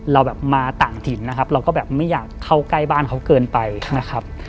เราแบบมาต่างถิ่นนะครับเราก็แบบไม่อยากเข้าใกล้บ้านเขาเกินไปนะครับ